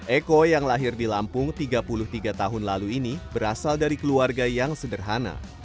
eko yang lahir di lampung tiga puluh tiga tahun lalu ini berasal dari keluarga yang sederhana